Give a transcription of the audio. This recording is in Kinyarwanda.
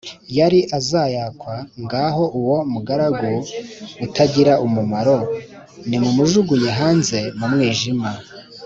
yari azacyakwa Ngaho uwo mugaragu utagira umumaro nimumujugunye hanze mu mwijima